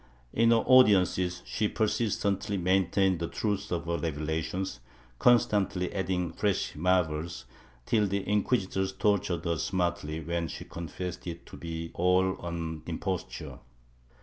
In her audiences she persistently maintained the truth of her revelations, constantly adding fresh marvels, till the inquisitors tortured her smartly, when she confessed it to be all an imposture.